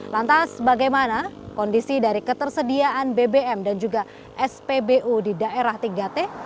lantas bagaimana kondisi dari ketersediaan bbm dan juga spbu di daerah tiga t